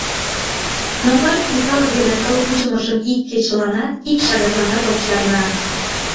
Но партий калык дене кыл кучымыжым ик кечыланат, ик шагатланат ок чарне.